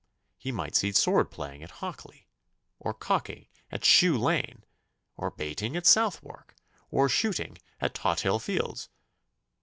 He might see sword playing at Hockley, or cocking at Shoe Lane, or baiting at Southwark, or shooting at Tothill Fields.